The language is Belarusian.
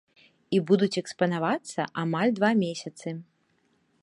І будуць экспанавацца амаль два месяцы.